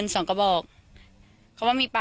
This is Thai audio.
ใช่ค่ะ